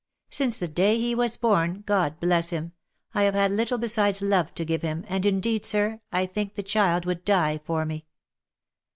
Since the day he was born, God bless him, I.have had little besides love to give him, and indeed, sir, I think the child would die for me."